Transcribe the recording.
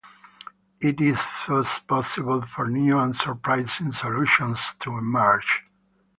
It is thus possible for new and surprising solutions to emerge.